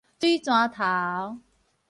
水泉頭